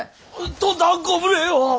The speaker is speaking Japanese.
とんだご無礼を！